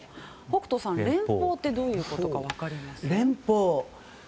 北斗さん、連邦ってどういうことか分かります？